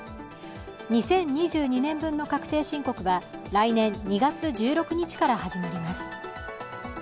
２０２２年分の確定申告は来年２月１６日から始まります。